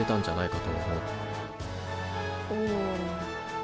うん。